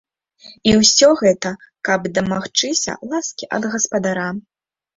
І ўсё гэта, каб дамагчыся ласкі ад гаспадара.